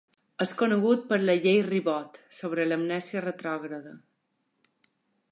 És conegut per la Llei Ribot sobre l'amnèsia retrògrada.